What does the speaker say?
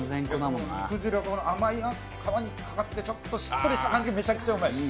甘い皮にかかってしっとりした感じがめちゃくちゃうまいです。